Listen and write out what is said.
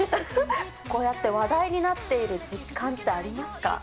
こうやって話題になっている実感ってありますか。